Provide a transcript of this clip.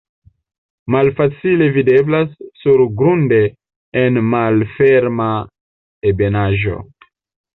Malfacile videblas surgrunde en malferma ebenaĵo.